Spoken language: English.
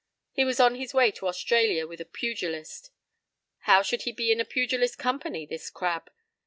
He was on his way to Australia with a pugilist. How should he be in a pugilist's company, this crab?